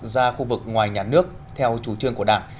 ra khu vực ngoài nhà nước theo chủ trương của đảng